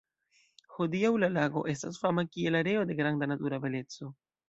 Hodiaŭ la lago estas fama kiel areo de granda natura beleco.